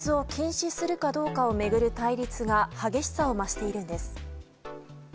実は今、アメリカでは中絶を禁止するかどうかを巡る対立が激しさを増しているんです。